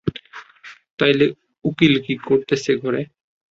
তাইলে উকিল কি, করতেছে ঘরে?